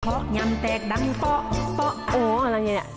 พะยำแตกด้ำตอบโอ้วอะไรเงี้ย